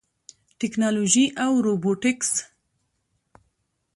ټیکنالوژي او روبوټکس